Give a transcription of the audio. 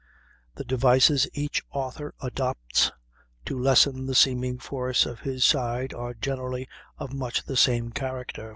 The devices each author adopts to lessen the seeming force of his side are generally of much the same character.